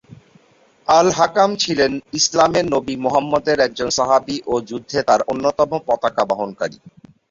আল-হাকাম ছিলেন ইসলামের নবী মুহাম্মদের একজন সাহাবি এবং যুদ্ধে তার অন্যতম পতাকা বহনকারী।